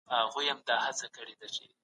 د مرتد حکم په فقهي کتابونو کي سته.